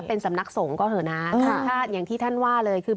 เป็นสำนักสงฆ์ก็เถอะนะอย่างที่ท่านว่าเลยคือ